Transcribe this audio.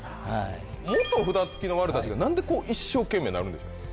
元札付きのワルたちが何で一生懸命になるんでしょうか？